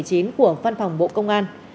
của văn phòng bộ công an